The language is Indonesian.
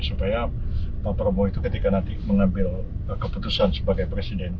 supaya pak prabowo itu ketika nanti mengambil keputusan sebagai presiden